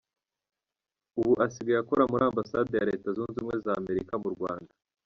Ubu asigaye akora muri Ambasade ya Leta Zunze Ubumwe za Amerika mu Rwanda.